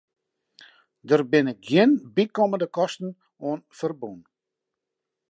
Der binne gjin bykommende kosten oan ferbûn.